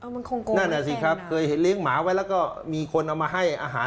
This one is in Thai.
มันคงโกงไหมแน่นนะครับคุณเห็นหมาไว้แล้วก็มีคนเอามาให้อาหาร